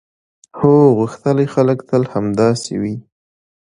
هو، غښتلي خلک تل همداسې وي.